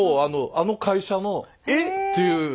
あの会社のっていう。